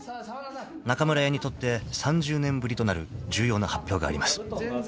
［中村屋にとって３０年ぶりとなる重要な発表があります］